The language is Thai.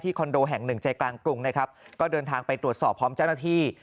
คอนโดแห่งหนึ่งใจกลางกรุงนะครับก็เดินทางไปตรวจสอบพร้อมเจ้าหน้าที่